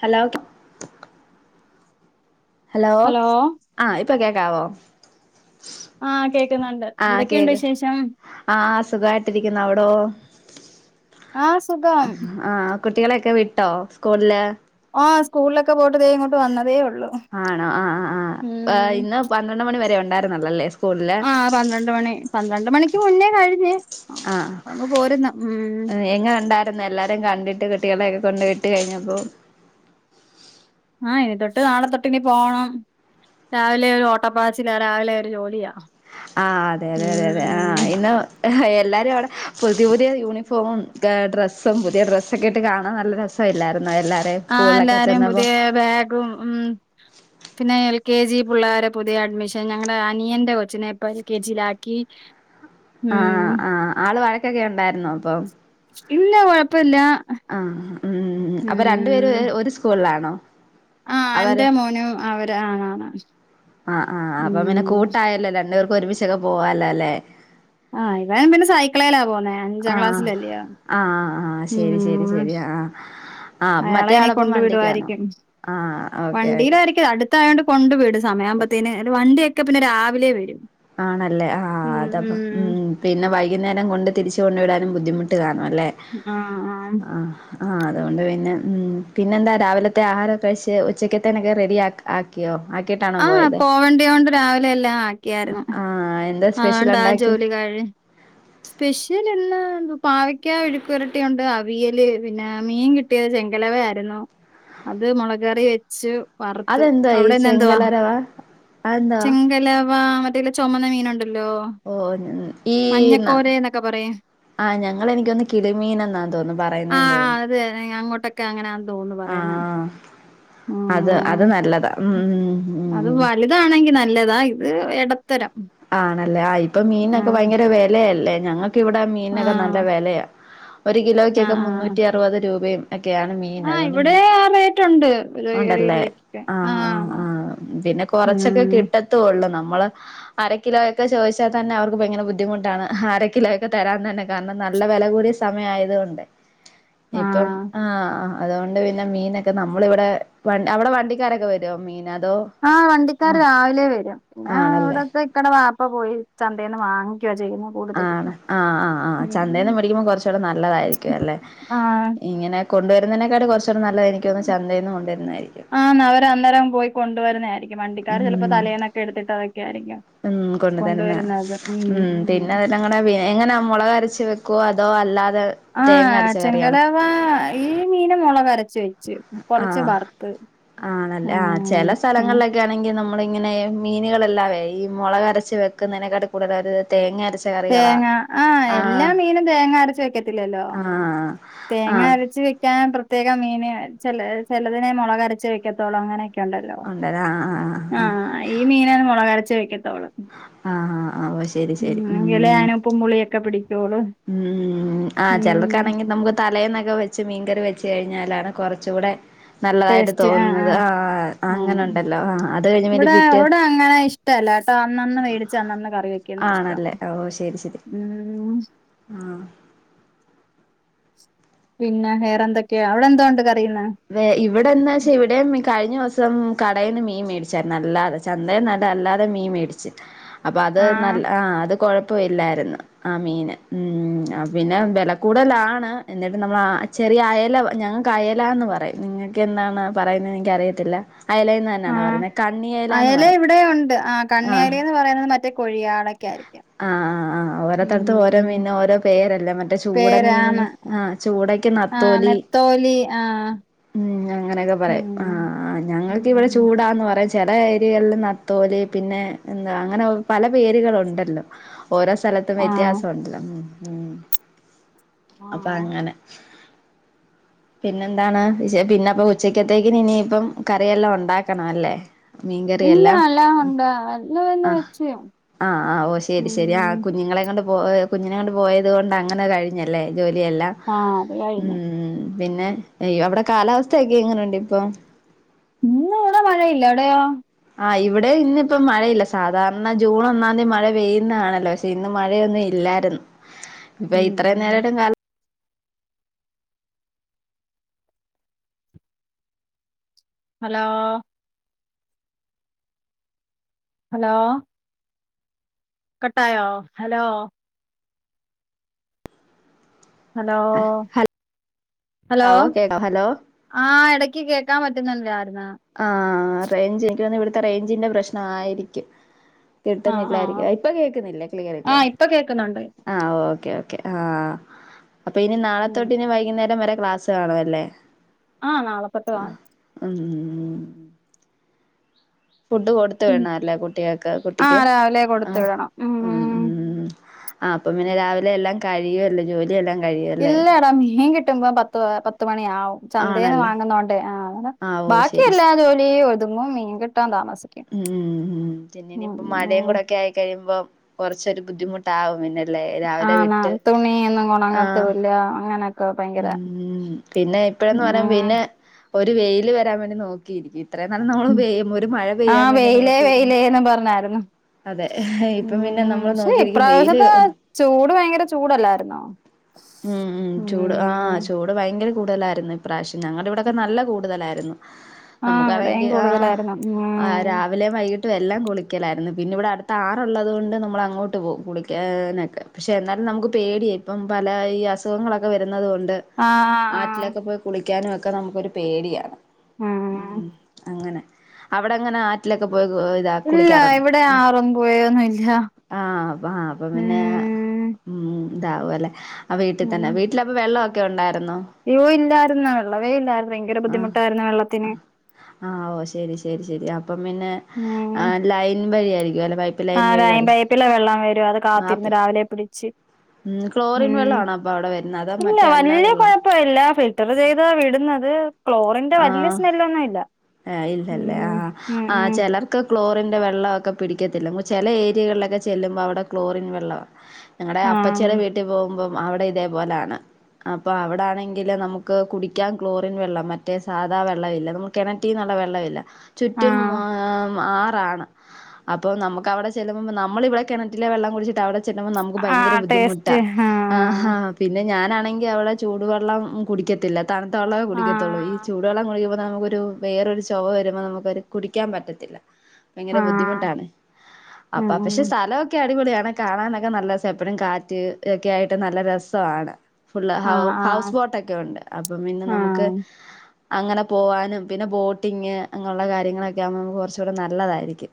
Hello. Hello ആഹ് ഇപ്പ കേക്കാവോ. ആഹ് കേക്ക്ന്നുണ്ട് ആഹ് എന്തൊക്കെണ്ട് കേക്ക് വിശേഷം. ആഹ് സുഖായിട്ടിരിക്ക്ന്ന് അവിടോ ആഹ് സുഖം അഹ് ആഹ്. കുട്ടികളെക്കെ വിട്ടോ സ്കൂൾല്. ഓ സ്കൂൾലൊക്കെ പോയിട്ട് ദേ ഇങ്ങോട്ട് വന്നതേ ഒള്ളു. ആണോ ആ ആ ആ അ ഇന്ന് പന്ത്രണ്ട് മണി വരെ ഉണ്ടായിരുന്നൊള്ളല്ലേ സ് ആഹ് പന്ത്രണ്ട് മണി പന്ത്രണ്ട് മണിക്ക് മുന്നേ കഴിഞ്ഞ് അങ്ങ് പോരുന്ന് ഉം തേങ്ങ വേണ്ട [unintelligible] ട്ടന്ന് എല്ലാരേം കണ്ടിട്ട് കുട്ടികളെയൊക്കെ കൊണ്ട് വിട്ട് കയിഞ്ഞപ്പൊ. ആഹ് ഇനി തൊട്ട് നാളെ തൊട്ടിനി പോവണം. രാവിലെ ഒരു ഓട്ടപ്പാച്ചിലാ രാവിലെ ഒരു ജോലിയാ. ആഹ് അതെ അതെ അതെ ഉം ആഹ് ഇന്ന്. എല്ലാരു അവടെ പുതിയ പുതിയ യൂണിഫോമും ഗ ഡ്രസ്സും പുതിയ ഡ്രസ്സൊക്കെ ഇട്ട് കാണാ നല്ല രസ സ ഇല്ലായിര്ന്നൊ എല്ലാ ആഹ് എല്ലാരിം പുതിയ ബാഗും ഉം. പിന്നെ എൽ കെ ജി പിള്ളാരെ പുതിയ അഡ്മിഷൻ ഞങ്ങടെ അനിയന്റെ കൊച്ചിനെ ഇപ്പ എൽ കെ ജിയിലാക്കി. ഉം ആഹ് ആഹ് ആള് വഴക്കൊക്കെ ഉണ്ടായിര്ന്നോ അപ്പൊം. ഇല്ല കൊഴപ്പല്ല. ആഹ് ഉം അപ്പ രണ്ടു പേര് ഉം ഒര് സ്കൂൾലാണോ. ആഹ് അവര് എന്റെ മോനും അവര് ആണാണ് ആഹ് ആഹ് അപ്പ പിന്നെ ഉം കൂട്ടായല്ലോ രണ്ടുപേർ ക്കൊരുമിച്ചൊക്കെ പോവാല്ലോ ല്ലേ. ആഹ് ഇവൻ പിന്നെ സൈക്കളേലാ പോവുന്നെ അഞ്ചാം ആഹ് ക്ലാസ്സിലല്ലിയോ ആഹ് ആഹ് ശരി ശരി ഉം. ശരി ആഹ് ആഹ് മറ്റേ അയാളയ്നെ ആളപ്പം വണ്ടിക്കാണോ കൊണ്ടുവിടുവായിരിക്യും ആഹ് ഓക്കെ ഓക്കെ വണ്ടിടായിരിക്കില അടു ത്തായോണ്ട് കൊണ്ടുവിടും സമയാവുമ്പത്തേന് ര് വണ്ടിയൊക്കെ പിന്നെ രാവിലെ വരും. ആണല്ലേ ആഹ് ആഹ് അതാപ്പം ഉം ഉം. പിന്നെ വൈകുന്നേരം കൊണ്ട് തിരിച്ച് കൊണ്ട് വിടാനും ബുദ്ധിമുട്ട് കാണും അല്ലേ. ആഹ് ആഹ്. അഹ് ആ അതുകൊണ്ട് പിന്നെ ഉം പിന്നെന്താ രാവിലത്തെ ആഹാരൊക്കെ കഴിച്ച് ഉച്ചക്കത്തേനൊക്കെ റെഡിയാക് ആക്കിയോ ആക്കിട്ടാണോ ആഹ് പോയത്. പോവണ്ടിയോണ്ട് രാവിലെ എല്ലാ ആക്കിയായിരുന്നു ആഹ് എന്താ സ്പെഷ്യൽ അതൊണ്ട് ആ ഉണ്ടാക്കി ജോലി കഴിഞ്ഞ. പെഷ്യലിന്ന് പാവക്ക്യ വെഴുക്ക് പുരട്ടിയുണ്ട് അവിയല് പിന്നെ മീൻ കി ട്ട്യ ചെങ്കലവയായ്ര്ന്നു അത് മൊളകറി വെച്ച് വറ്ത്ത അവിടെന്ന എന്തുവാ. രവാ. ചെങ്കലവ മറ്റേല്ല ചൊമന്ന മീനുണ്ടല്ലോ. ഓഹ് ഞ്ഞ ഈ. ന കോരേന്നൊക്കെ പറയും. ആഹ് ഞങ്ങളെൻകോന്നു കിളിമീനെന്നാ തോന്നുന്നു പറയുന്നെന്ന് തോന്നുന്നു. ഇത [unintelligible] അങ്ങോട്ടക് ക്കങ്ങനാ തോന്നുന്നു പറയുന്ന. ആഹ് അത് അത് നല്ലതാ ഉം ഉം ഉം. അത് വലുതാണെങ്കി നല്ലതാ ഇത് എടത്തരം. ആണല്ലേ ആ ഇപ്പ മീൻനൊക്കെ ഭയങ്കര വെലയല്ലേ ഞങ്ങക്ക് ഇവിടെ മീൻനൊക്കെ നല്ല ആഹ് വെലയ. ഒരു കിലോയ്ക്കൊക്കെ ആഹ് ആഹ് മുന്നൂറ്റി അറുപത് രൂപയും ഒക്കെയാണ് മീൻന് ആഹ് അതുകൊണ്ട് ഇവിടെ മീ ആ റേറ്റുണ്ട് ഒരു ഒരു ഉണ്ടല്ലേ കിലോയ്ക്കൊക്കെ ആഹ് ആഹ് ആഹ് പിന്നെ കൊറച്ചൊക്കെ ഉം കിട്ടത്തൊള്ളൂ നമ്മള് അരക്കിലോയൊക്കെ ചോദിച്ചാൽ തന്നെ അവർക്ക് ഭയങ്കര ബുദ്ധിമുട്ടാണ്. അര കിലോ ഒക്കെ തരാൻ തന്നെ കാരണം നല്ല വില കൂടി- സമയായതൊണ്ട് ഇപ്പം ആഹ് ആഹ് അതുകൊണ്ട് പിന്നെ മീനൊക്കെ നമ്മള് ഇവിടെ വ അവിടെ വണ്ടിക്കാരൊക്കെ വരോ? മീൻ അതോ ആഹ് വണ്ടിക്കാര് ആഹ് രാവിലെ വരും. പിന്നെ ആണല്ലേ ഇവിടത്തെ ഇക്കാട വാപ്പ പോയി ചന്തേന്ന് വാങ്ങിക്കുവ ചെയ്യുന്നെ. കൂടുതലും ആഹ് ആഹ് ആഹ് ആഹ് ഉം ചന്തേന്ന് മേടിക്കുമ്പോ കൊറച്ചൂടി നല്ലതായിരിക്കുല്ലെ ആഹ് ഇങ്ങനെ കൊണ്ടുവരുന്നതിനേക്കാട്ടി കൊറച്ചുകൂടെ നല്ലത് എനക്ക്തോന്ന് ചന്തേൽന്ന് കൊണ്ടുവരുന്നതായിരിക്കും. ആന്ന് അവര് അന്നേരം പോയി കൊണ്ടുവരുന്നതായിരിക്കും. വണ്ടിക്കാര് ചെലപ്പോ ഉം തലേന്നൊക്കെ എടുത്തിട്ടതൊക്കെ ആയിരിക്കും ഉം കൊണ്ടുവരുന്നത്. ഉം ഞങ്ങള വി എങ്ങനെ മുളകരച്ച് വെക്കോ അതോ അല്ലാതെ തേങ്ങ ആഹ് അരച്ച കറിയാണോ ചെങ്കലവാ ഈ മീന് മോളകരച്ച് വെക്കും. ആഹ് ആണല്ലേ ആഹ് ഉം ചെല ഉം സ്ഥലങ്ങളിലൊക്കെ ക്കാണെങ്കി നമ്മളിങ്ങനെ മീനുകളെല്ലാവെ ഈ മൊളകരച്ച് വെക്കുന്നതിനെക്കാട്ടി കൂടുതലായിട്ടവര് തേങ്ങ അരച്ച് തേങ്ങ ആഹ് എല്ലാ മീനും തേങ്ങ അരച്ച് വെക്കത്തില്ലല്ലോ. ആഹ് തേങ്ങ ആഹ് അരച്ച് വെക്കാൻ പ്ര പ്രത്യേകം മീന് ചെല ചെലതിനെ മൊളകരച്ച് വെക്കത്തൊള്ളു അങ്ങനെ ണ്ടല്ലോ ഉണ്ടല്ലേ ആഹ് ആഹ് ആഹ് ഈ മീന് മൊളകരച്ച് വെക്കത്തൊള്ളു. ആഹ് ആഹ് അ ശെരി ശെരി ഉം അതിന് ഉപ്പും പുളിയൊക്കെ പിടിക്കോളൂ. ഉം ആഹ് ഉം ചെലർക്കാണെങ്കി നമക്ക് തലേന്നൊക്കെ വെച്ച മീൻകറി വെച്ചയിഞ്ഞാലാണ് കെറച്ചൂടെ നല്ലതായിട്ട് ടേസ്റ്റ് ആഹ് തോന്നുന്നത്. ആഹ് ആഹ് അങ്ങനെ ഇണ്ടല്ലോ ആഹ് അത് കഴിഞ്ഞന്റെ പിറ്റേന്ന് ഷ്ടല്ലാട്ടോ അന്നെന്ന് മേടിച്ച് അന്നന്ന് കറി വെക്ക്ന്ന ഇഷ്ടം. ആണല്ലേ ഉം ആഹ് പിന്നെ വേറെന്തൊക്കെയാ? അവിടെ എന്തോണ്ട് കറികള്? വേ ഇവിടെന്താച്ച ഇവിടേം കഴിഞ്ഞസം കടേയ്ന്ന് മീൻമേടിച്ചയിര്ന്ന് അല്ലാത ചന്തേന്നല്ല അല്ലാതെ മീൻ മേടിച്ച്. അപ്പൊ അത് ആ നല്ല ആഹ് അത് കൊഴപ്പൊല്ലായിരുന്നു. ആ മീന്. ഉം പിന്നെ വെലകൂടലാണ്. എന്നിട്ട് നമ്മള് ആ ചെറിയ അയല ഞങ്ങക്ക് അയലാന്ന് പറയും. നിങ്ങക്ക് എനന്താണ് പറയുന്ന എനിക്കറിയത്തില്ല. അയലേന്ന് തന്നാണോ ആഹ് പറയുന്നത് കണ്ണിയലാന്ന് അയല പറയും ഇവിടെയുമുണ്ട്. ആഹ് ആ കണ്ണയലേന്ന് പറയുന്നത് മറ്റേ കൊഴിയാളക്കായിരിക്കും. ആഹ് ആഹ് ആ ഓരോത്തടത്തും ഓരോ മീനിനു ഓരോ പേരല്ലേ മറ്റേ പേരാണ് ചൂടമീനിന് ആഹ് ചൂടക്ക് നത്തോലി നത്തോലി ആഹ് ഉം അങ്ങനെയൊക്കെ പറയും. ആഹ് ഞങ്ങൾക്കിവിടെ ഉം ചൂടാന്നറയും ചെല ഏരിയേല് നത്തോലി പിന്നെ എന്താ അങ്ങനെ പല പേരുകളൊണ്ടല്ലോ. ഓരോ സ്ഥലത്തും ആ വ്യത്യാസണ്ടല്ലോ. ഉം ആ അപ്പങ്ങനെ. പിന്നെന്താണ്? പിന്നെ അപ്പൊ ഉച്ചക്കത്തേക്കിനിയിപ്പം കറിയെല്ലാം ഒണ്ടാക്കണല്ലേ? ഇല്ല. എല്ലാമൊണ്ട്. [unintelligible] വെച്ചു. ആഹ് ആഹ് ഓഹ് ശെരി ശെരി ആഹ് കുഞ്ഞുങ്ങളെകൊണ്ട് പോ പോ ഹ് കുഞ്ഞിനെകൊണ്ട് പോയതൊണ്ട് അങ്ങനെ കഴിഞ്ഞല്ലേ ജോലിയെല്ലാം. ആഹ് ഒക്കെകഴിഞ്ഞ്. ഉം പിന്നെ യ് അവിടെ കാലാവസ്ഥയക്കെ എങ്ങനെയുണ്ടിപ്പൊ? ഇന്നിവിടെ മഴയില്ല. അവിടെയോ? ആ ഇവിടെ ഇന്നിപ്പം മഴയില്ല സാധാരണ ജൂണൊന്നാന്തി മഴ പെയ്യുന്ന ആണല്ലോ ശെ ഇന്ന് മഴയൊന്നുല്ലായിര്ന്ന് [inaudible] പെ ഇത്രയും നേരയ്ട്ടും കാലാ ഹലോ ഹലോ കട്ടായോ ഹലോ ഹലോ ഹലോ കേക്കാം ഹലോ ആ എടക്ക് കേക്കാം പറ്റുന്നില്ലായിര്ന്ന ആ റേഞ്ച് എനിക്കോന്ന് ഇവിടുത്തെ റേഞ്ചിന്റെ പ്രശ്നായിരിക്കും ആഹ് കിട്ടുന്നില്ലായിരിക്കു ആഹ് ഇപ്പൊ കേക്കുന്നില്ലേ ആ ക്ലിയറില്ലേ ഇപ്പൊ കേക്കുന്നുണ്ട് ആ ഓക്കേക്കേ ആ അപ്പൊ ഇനി നാളെത്തൊട്ട് ഇനി വൈകുന്നേരം വരെ ക്ലാസ് കാണുഅല്ലേ ആ നാളെത്തൊട്ട് ആ ഉം ഫുഡ് കൊടുത്തവിണല്ലേ കുട്ട്യക്ക് ആ കുട്ടിക്ക് രാവിലെ ആ കൊടുത്തു വിടണം ഉം ഉം ആ അപ്പൊ പിന്നെ രാവിലെ എല്ലാം കഴിയുവല്ലോ ജോലി ലിയെല്ലാകഴിയും ഇല്ലട മീൻകിട്ടമ്പോ പത് ആ പത്ത് മണിയാവും ചന്തേന്ന് ആണല്ലേ വാങ്ങുന്നോണ്ട് ആ ആഹ് ഓഹ് ബാക്കി ശരി എല്ലാ ശരി ജോലിയുത് ന്ന് മീൻകിട്ടാതാമസ ഉം ഉം പിന്നെ ഇനി ഇപ്പ മഴയും ഉം കൂടെക്കെ ആയിക്കഴിയുമ്പോ കൊറച്ചൊരു ബുദ്ധിമുട്ട് ട്ടാവും പിന്നല്ലേ രാവിലെ വിട്ട് ആ രാ അങ്ങനെക്കെ പ ഉം പിന്നെ ഇപ്പഴന്ന് പറയാ പിന്നെ ഉം ഒരു വെയില് വരാ വേണ്ടി നോക്കിയിരിക്കു. ത്രയും നാള് നമ്മള് പെ ഒരു മഴ പെയ്യാ വേണ്ടി നോക്കിര്ന്ന് ഞ പറഞ്ഞായ്രുന്നു. അതെ ഇപ്പൊ പിന്നെ നമ്മള് നോക്കിരിക്കും വെയില് ഇപ്രാവശ്യത്തെ ചൂട് ഭയങ്കര ചൂടല്ലായിരുന്നോ ഉം ഉം ചൂട് ആ ഉം ചൂ ഇവടെ ഭയങ്കര കൂടലായിരുന്നു ഇപ്രാവശ്യം ഞങ്ങളുടെ ഇവിടെക്കെ നല്ല കൂടുതലായിരുന്നു. ആഹ് ഇവിടെയും നമുക്കാണെങ്കി കൂടുതലായിരുന്നു ആ ഉം രാവിലേം വൈകിട്ടും എല്ലാം കുളിക്കലായ്രുന്നു. പിന്നെ ഇവിടെ അടുത്ത് ആറുള്ളത് കൊണ്ട് നമ്മൾ അങ്ങോട്ട് പോവും കുളിക്കാനൊക്കെ പക്ഷേ എന്നാലും നമുക്ക് പേടിയായി പ്പം പല ഈ അസുഖങ്ങളൊക്കെ വരുന്നുന്നത് കൊണ്ട് ആഹ് ആഹ് ആറ്റിലൊക്കെ പോയി കുളിക്കാനും ഒക്കെ നമുക്കൊരു പേടിയാ. ഉം അങ്ങനെ അവ്ടങ്ങനെ ആറ്റിലൊക്കെ പോയ് കു ഇതാ ഇല്ല കുളിക്കാറുണ്ടോ? ഇവിടെ ആറും പുഴയൊന്നും ഇല്ല ആ ബാ അപ്പൊ പിന്നെ ഉം ഉം താവും അല്ലേ ആ വീട്ടിൽ തന്നെ വീട്ടില അപ്പൊ വെള്ളവോക്കെ ഒണ്ടായിര്ന്നോ? യ്യോ ഇല്ലാര്ന്ന് വെള്ളവെ ഇല്ലായിരുന്നു ഭയങ്കര ബുദ്ധിമുട്ടായിരുന്നു വെള്ളത്തിന്. ആ ഓ ശരി ശരി ശരി അപ്പം പിന്നെ ആഹ് ലൈൻ വഴിയായിരിക്കും അല്ലെ പൈപ്പ് ആ വഴി ലൈൻ വെള്ളം പൈപ്പിലെ വെള്ളം വരും അത് കാത്തിരുന്ന് രാവിലെ പിടിച്ച് ഉം ക്ലോറിൻ ഉം വെള്ളണോ അപ്പൊ അവ്ടെ വരുന്നെ അതോ മറ്റേ അല്ലാതെ വെള്ളോ പ്പ ഇല്ല ഫിൽറ്റർ ചെയ്ത വിടുന്നത് ക്ലോറിന്റെ വല്ല്യ ആഹ് സ്മെല്ലൊന്നും ഇല്ല. ഇല്ലല്ലേ ഉം ആ ഉം ആ ഉം ചെലർക്ക് ക്ലോറിന്റെ വെള്ളഒ പ്പൊ പിടിക്കത്തില്ല ചെല ഏരിയകളിലൊക്കെ ചെല്ലുമ്പോ അവിടെ ക്ലോറിൻ വെള്ളവ ഞങ്ങടെ ആഹ് അപ്പച്ചീടെ വീ പോമ്പം അവിടെ ഇതേപോലാണ്. അപ്പൊ അവട ആണെങ്കില് നമുക്ക് കുടിക്കാൻ ക്ലോറിൻ വെള്ളം മറ്റേ സാധാ വെള്ളംഇല്ല നമുക് കെണറ്റിന്നുള്ള വെള്ളമില്ല ചുറ്റും ആഹ് ആ ആറാണ്. അപ്പൊ നമുക്ക് അവിടെ ചെല്ലുമ്പ നമ്മളി ഇവിടെ കെണറ്റിലെ വെള്ളം കുടിച്ചിട്ട് അവിടെ ചെല്ലുമ്പോ നമുക്ക് ഭയങ്കര ആഹ് ബുദ്ധിമുട്ടാ ടേസ്റ്റ് ആ ആഹ് ഹാ പിന്നെ ഞാനാണെങ്കി അവളെ ചൂടുവെള്ളം കുടിക്കത്തില്ല തണുത്ത വെള്ളമെ കുടിക്കത്തുള്ളൂ ഈ ആഹ് ചൂടുവെള്ളം കുടിക്കുമ്പോ നമുക്കൊരു വേറൊരു ചോവ വരുമ്പോ നമുക്കൊരു കുടിക്കാ പറ്റത്തില്ല. ഭയങ്കര ആഹ് ബുദ്ധിമുട്ടാണ് ഉം അപ്പൊ പക്ഷെ ഉം സ്ഥലോ ക്കെ അടിപൊളിയാണ് കാണാനൊക്കെ നല്ല എപ്പഴും കാറ്റ് ഒക്കെ ആയിട്ട് നല്ല രസാണ്. ഫുള്ള് ഹ ആഹ് ഹൗസ് ആഹ് ബോട്ടൊക്കെ ഒണ്ട് അപ്പം പിന്നെ നമുക്ക് ആഹ് അങ്ങനെ പോവാനും പിന്നെ ബോട്ടിങ്ങ് അങ്ങെള്ള കാര്യങ്ങളൊക്കെ ആമ്പോ നമക്ക് കൊറച്ചൂടെ നല്ലതായിരിക്കും.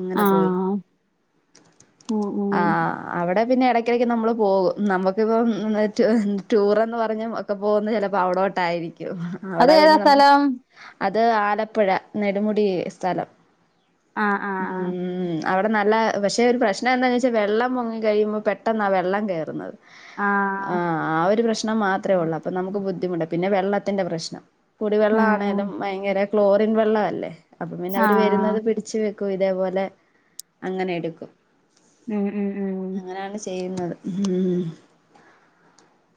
അങ്ങനെ പോയി ആഹ് ഉം ആഹ് ഉം ആഹ് അവിടെ പിന്നെ എടക്കിടക്ക് നമ്മള് പോകും നമക്കിപ്പം ടൂറെന്ന് പറഞ്ഞ ഒക്കെ പോന്നെ ചെലപ്പം അവിടോട്ടായിരിക്കും അവിട അത് ഏതാ പിന്നെ നമുക സ്ഥലം അത് ആലപ്പുഴ നെടുമുടി സ്ഥലം ആഹ് ആഹ് ആഹ് ഉം അവിടെ നല്ല പക്ഷെ ഒരു പ്രശ്നം എന്താന്ന് വെച്ചാൽ വെള്ളം പൊങ്ങി കഴിയുമ്പോ പെട്ടെന്നാ വെള്ളം കേറുന്നത് ആഹ് ആഹ് ഒരു പ്രശ്നം മാത്രെ ഉള്ളൂ അപ്പൊ നമുക്ക് ബുദ്ധിമുട്ട പിന്നെ വെള്ളത്തിന്റെ പ്രശ്നം. കുടിവെള്ളം ഉം ഉം ആണേലും ഭയങ്കര ക്ലോറിൻ വെള്ളം അല്ലേ അപ്പൊ പിന്നെ അവര് വരുന്നത് ആഹ് പി ച്ച് വെക്കും ഇതേപോലെ അങ്ങനെ എടുക്കും. ഉം ഉം ഉം അങ്ങനാണ് ചെയ്യുന്നത്.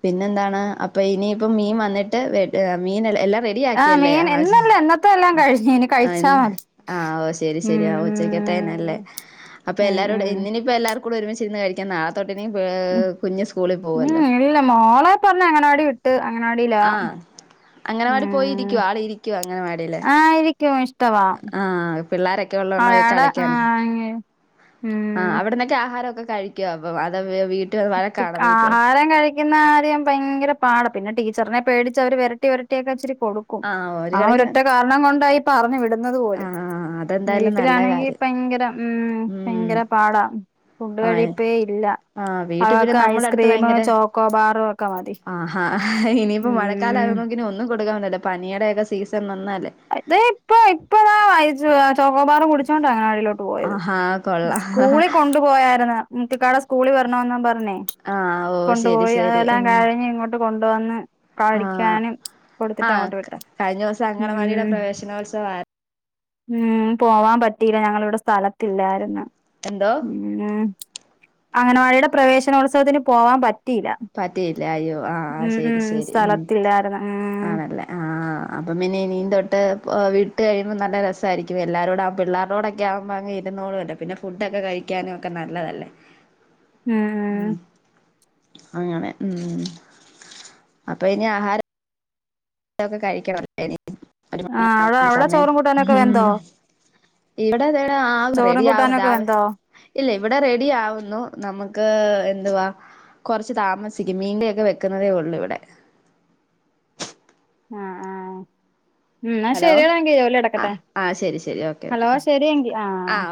പിന്നെന്താണ് അപ്പൊ ഇനിയിപ്പ മീൻ വന്നിട്ട് മീൻ എല്ലാം റെഡി ആഹ് ആക്കിയല്ലെ? മീൻ ആ ശ് ഇന്നല്ല ഇന്നത്തെ എല്ലാം കഴിഞ്ഞ് ഇനി അൻ കഴിച്ചാ മതി ആഹ് ഓഹ് ശരി ഉം ശരി ആ ഉച്ചക്കത്തേനല്ലേ. അപ്പൊ ഉം എല്ലാരോടും ഉം ഇന്നിനിപ്പൊ എല്ലാർക്കൂടെ ഒരുമിച്ചിരുന്ന് കഴിക്കാം നാളെ തൊട്ട് ഉം കുഞ്ഞ് സ്കൂളി ഉം പോവല്ലോ. ഇല്ല മോളെ പറഞ്ഞ് അങ്ങനവാടി വിട്ട് അങ്ങനവാടിലാ. ആഹ് അങ്ങനവാടി ആഹ് പോയിരിക്കുവോ ആള് ഇരിക്കുവോ അങ്ങനവാടിയില് ആയിരിക്കും ഇഷ്ടവാ ആഹ് പിള്ളോരൊക്കെ ഉള്ളോണ്ട് ആട കളിക്കാന് ആഹ് ഉം ആഹ് അവിടുന്നൊക്കെ ആഹാരോക്കെ കഴിക്കോ അവ്ടെ വീട് ആഹാരം കഴി കഴിക്കുന്ന കാര്യം ഭയങ്കര പാടാ പിന്നെ ടീച്ചറിന്റെ പേടിച്ച് അവര് വെരട്ടി വെരട്ടിയൊക്കെ ഇച്ചിരി കൊടു ക്കും ഒരു ആഹ് കണക്കിന് ഒരൊറ്റ കാരണം കൊണ്ടാ ഈ പറഞ്ഞു വിടുന്നത് പോലും ആഹ് അതെന്തായാലും നല്ല വീട്ടിലാണെങ്കി കാര്യം ഭയങ്കര മ് ഉം ഭയങ്കര പാടാ ഫുഡ് ആഹ് കഴിപ്പേ ഇല്ല ആഹ് വീട്ടിൽ പിന്നെ അവക്ക് നമ്മള അടുത്ത് ഐസ്ക്രീം ഭയങ്കര ചോക്കോബാറും ഒക്കെ മതി ആഹ് ഇനിയിപ്പോം ഉം മഴക്കാലന്ന് ഒ ഒന്നും കൊടുക്കാൻ പറ്റില്ല പനിയുടെ ഒക്കെ സീസൺ വന്നാല്ലേ തെ ഇപ്പ ഇപ്പളാ വായിച്ചുവാ ചോക്കോബാറ് കുടിച്ചോണ്ടാ അങ്ങാടിലോട്ട് പോയത് ആഹാ കൊള്ളാം സ്കൂളിൽ കൊണ്ടു പോയതായിരുന്നു [unintelligible] സ്കൂളി വരണോന്നും പറഞ്ഞേ ആഹ് ഓ കൊണ്ട് ശരി പോയി ശരി അതെല്ലാം ഉം കഴിഞ്ഞ് ഇങ്ങോട്ട് കൊണ്ടുവന്ന് കഴിക്കാനും കൊടുത്തിട്ട അങ്ങോട്ട് വിട്ടേ കഴിഞ്ഞോസം അങ്കണവാടിടെ പ്രവേശനോത്സവം ആര് മ് പോവാൻ പറ്റീല ഞങ്ങളിവിട സ്ഥലത്തില്ലായിരുന്ന് എന്തോ മ് അംഗനവാടിയുടെ പ്രവേശനോത്സവത്തിന് പോവാൻ പറ്റ റ്റിലാ പറ്റിയില്ല അയ്യോ ആഹ് ഉം ശരി ഉം ശരി ഉം സ്ഥലത്തില്ലായിരുന് മ് ആണല്ലേ ആഹ് അപ്പം പിന്നെ ഇനീ തൊട്ട് വീട്ട് കഴിയുമ്പോ നല്ല രസായിരിക്കും എല്ലാരോടും പിള്ളാരോ ക്കാവുമ്പോ അങ്ങ് ഇരുന്നോളു അല്ലോ പിന്നെ ഫുഡൊക്കെ കഴിക്കാനും ഒക്കെ നല്ലതല്ലേ ഉം ഉം മ് അങ്ങനെ മ് അപ്പൊ ഇനി ആഹാരം ക്കെ കഴിക്കണം ഇനി ആ ഒരുമണി അവിടെ ആവുന്ന അവിടെ സമയം ചോറും കൂട്ടാനൊക്കെ വെന്തോ ഉം ചോറും കൂട്ടാനൊക്കെ വെന്തോ [unintelligible] ഇല്ല ഇവിടെ റെഡി ആവുന്നു നമുക്ക് എന്തുവാ കൊറച്ച് താമസിക്കും മീന്റെ യൊക്കെ വെക്കുന്നതേ ഉള്ളു ഇവിടെ ആഹ് ആഹ് എന്നാ ഹലോ ശരിയടാങ്കി ജോലി നടക്കട്ടെ ആഹ് ആഹ് ശരി ശരി ഓക്കെ ഓക്കെ ഹലോ ശരി എങ്കി ആഹ്